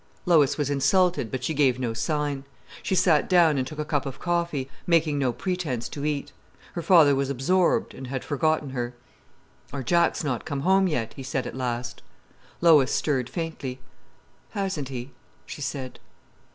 Lois was insulted, but she gave no sign. She sat down and took a cup of coffee, making no pretence to eat. Her father was absorbed, and had forgotten her. "Our Jack's not come home yet," he said at last. Lois stirred faintly. "Hasn't he?" she said.